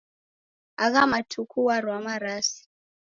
Agha matuku warwa marasi.